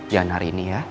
jangan hari ini ya